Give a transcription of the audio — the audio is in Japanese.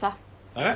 えっ？